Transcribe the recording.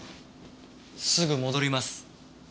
すぐ戻ります。